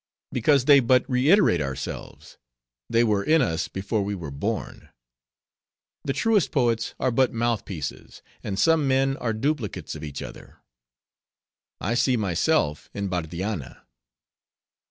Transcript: Because they but reiterate ourselves; they were in us, before we were born. The truest poets are but mouth pieces; and some men are duplicates of each other; I see myself in Bardianna."